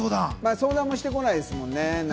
相談もしてこないですもんね。